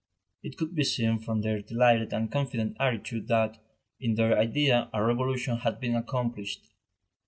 It could be seen from their delighted and confident attitude that, in their idea, a revolution had been accomplished.